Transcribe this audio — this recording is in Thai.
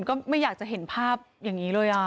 ก็ไม่อยากจะเห็นภาพอย่างนี้เลย